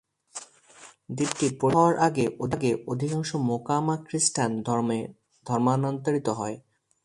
দ্বীপটি পরিত্যক্ত হওয়ার আগে অধিকাংশ মোকামা খ্রিস্টান ধর্মে ধর্মান্তরিত হয়েছিল।